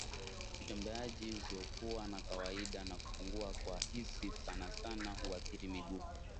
Utembeaji usiokuwa wa kawaida na kupungua kwa hisi sanasana huathiri miguu